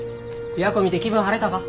琵琶湖見て気分晴れたか？